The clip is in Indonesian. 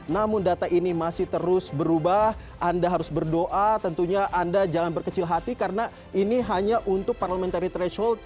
namun data ini masih terus berubah anda harus berdoa tentunya anda jangan berkecil hati karena ini hanya untuk parliamentary threshold